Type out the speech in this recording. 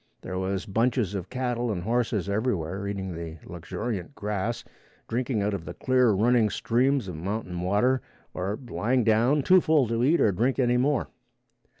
There was bunches of cattle and horses everywhere eating the luxuriant grass, drinking out of the clear running streams of mountain water or lying down too full to eat or drink any more.